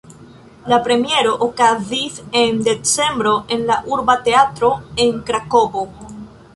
La premiero okazis en decembro en la Urba Teatro en Krakovo.